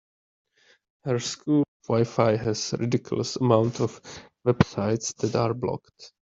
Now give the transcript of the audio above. Her school’s WiFi has a ridiculous amount of websites that are blocked.